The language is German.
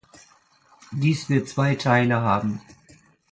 Dies wird zwei Teile haben.